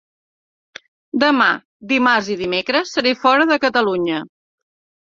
Demà, dimarts i dimecres seré fora de Catalunya.